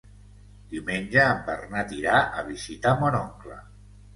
Diumenge en Bernat irà a visitar mon oncle.